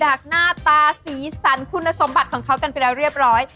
หน้าตาสีสันคุณสมบัติของเขากันไปแล้วเรียบร้อย